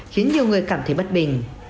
khiến nhiều người cảm thấy bất bình